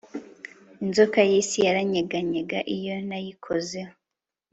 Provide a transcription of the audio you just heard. Inzoka yisi yaranyeganyega iyo nayikozeho